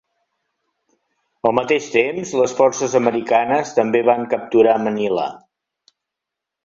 Al mateix temps, les forces americanes també van capturar Manila.